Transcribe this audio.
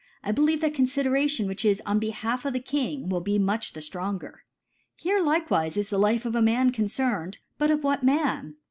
3 believe ( i69 )« believe that ConGderation which is oit Bc * half of the King will be much the ftrongcr.* Here likewife is the Life of a Man con cerned ; but of what Man